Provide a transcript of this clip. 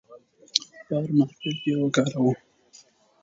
په هر محفل کې یې وکاروو.